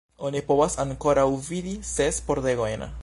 Oni povas ankoraŭ vidi ses pordegojn.